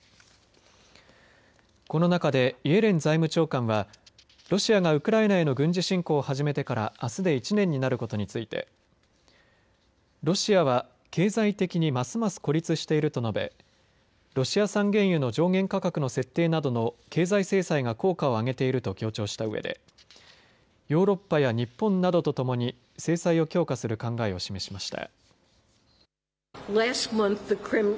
この中でイエレン財務長官はロシアがウクライナへの軍事侵攻を始めてからあすで１年になることについてロシアは経済的にますます孤立していると述べロシア産原油の上限価格などの経済制裁が効果をあげていると強調したうえでヨーロッパや日本などと共に制裁を強化する考えを示しました。